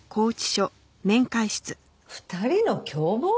２人の共謀？